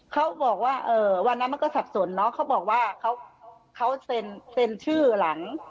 เขาบอกว่าวันนั้นมันก็สับสนเนาะเขาบอกว่าเขาเซ็นชื่อหลัง